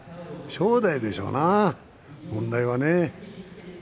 正代でしょうな、問題は。